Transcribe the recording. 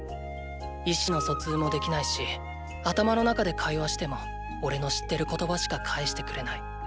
意思の疎通もできないし頭の中で会話してもおれの知ってる言葉しか返してくれない。